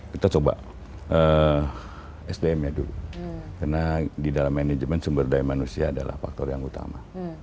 kita coba sdm ya dulu karena di dalam manajemen sumber daya manusia adalah faktor yang utama